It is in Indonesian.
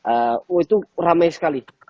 oh itu ramai sekali